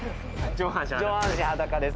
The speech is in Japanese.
上半身裸です